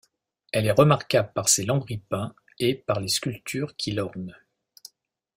Elle est remarquable par ses lambris peints et par les sculptures qui l'ornent.